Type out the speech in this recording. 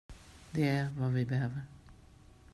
Det är vad vi behöver.